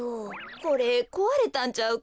これこわれたんちゃうか？